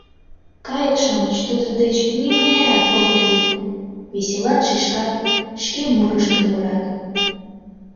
Кайык-шамыч тудын деч нимынярат огыт лӱд, веселан шӱшкат, шке мурыштым мурат.